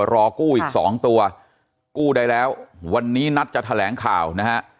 รอกู้อีกสองตัวกู้ได้แล้ววันนี้นัดจะแถลงข่าวนะฮะ